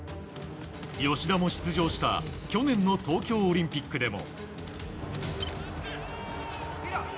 吉田も出場した去年の東京オリンピックでも。